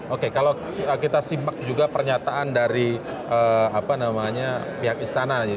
oke kalau kita simak juga pernyataan dari pihak istana